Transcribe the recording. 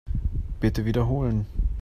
Bitte wiederholen.